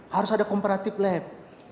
harus ada komparatif lab